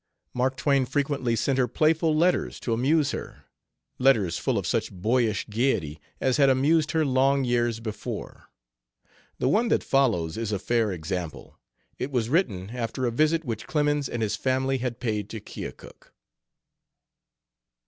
Mark Twain frequently sent her playful letters to amuse her, letters full of such boyish gaiety as had amused her long years before. The one that follows is a fair example. It was written after a visit which Clemens and his family had paid to Keokuk.